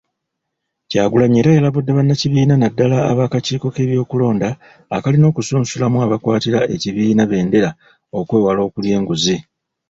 Kyagulanyi era yalabudde bannakibiina naddala ab'akakiiko k’ebyokulonda akalina okusunsulamu abakwatira ekibiina bbendera okwewala okulya enguzi.